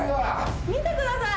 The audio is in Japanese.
見てください。